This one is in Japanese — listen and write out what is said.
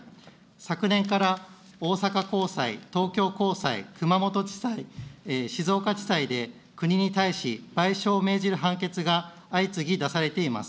昨年から大阪高裁、東京高裁、熊本地裁、静岡地裁で国に対し、賠償を命じる判決が相次ぎ出されています。